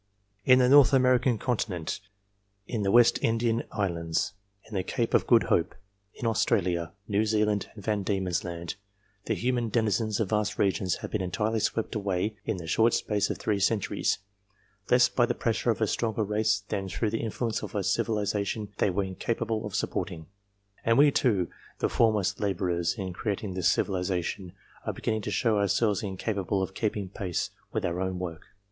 In the North American Continent, in the West Indian Islands, ir the Cape of Good Hope, in Australia, New Zealand, and Van Diemen's Land, the human denizens of vast regions have been entirely swept away in the short space of three centuries, less by the OF DIFFERENT RACES 333 pressure of a stronger race than through the influence of a civilization they were incapable of supporting. And we too, the foremost labourers in creating this civilization, are beginning to show ourselves incapable of keeping pace with our own work.